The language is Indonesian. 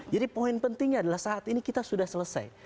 jadi poin pentingnya adalah saat ini kita sudah selesai